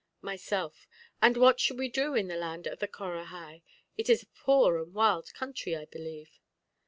Myself And what should we do in the land of the Corahai? It is a poor and wild country, I believe.